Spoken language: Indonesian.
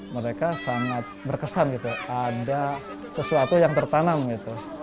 mereka sangat berkesan gitu ada sesuatu yang tertanam gitu